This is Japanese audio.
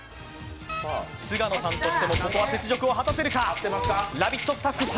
菅野さんとしても、ここは雪辱を果たせるか。